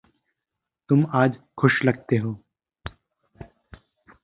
तुम आज खुश लगते हो।